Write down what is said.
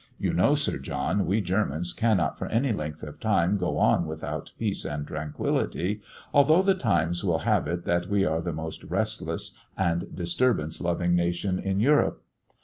You know, Sir John, we Germans cannot for any length of time go on without peace and tranquillity, although the Times will have it that we are the most restless and disturbance loving nation in Europe.